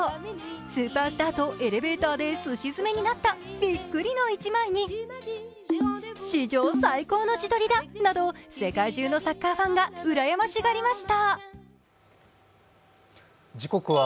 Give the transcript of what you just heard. スーパースターとエレベーターですし詰めになったビックリの１枚に史上最高の自撮りだなど、世界中のサッカーファンがうらやましがりました。